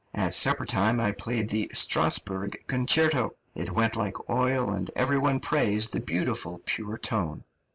At supper time I played the Strasburg Concerto. It went like oil, and every one praised the beautiful, pure tone."